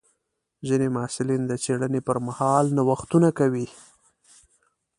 ځینې محصلین د څېړنې پر مهال نوښتونه کوي.